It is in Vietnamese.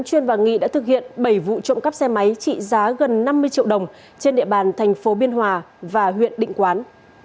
chuyên và nghị đã thực hiện bảy vụ trộm cắp xe máy trị giá gần năm mươi triệu đồng trên địa bàn thành phố biên hòa và huyện định quán